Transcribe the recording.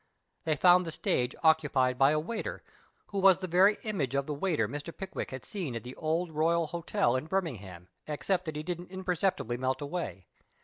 They found the stage occu])icd by a waiter, who was the very image of the waiter Mr. Pickwick had seen at the Old Royal Hotel at Birmingham, except that he didn't imperceptibly melt away.